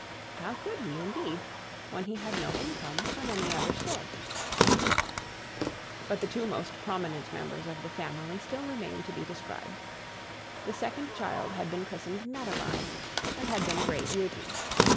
How could he indeed, when he had no income from any other sources? But the two most prominent members of the family still remain to be described. The second child had been christened Madeline, and had been a great beauty.